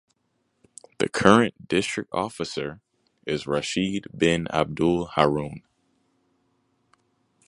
The current district officer is Rashid bin Abdul Harun.